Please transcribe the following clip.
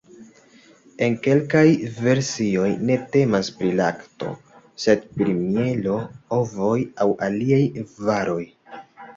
En kelkaj versioj ne temas pri lakto, sed pri mielo, ovoj aŭ aliaj varoj.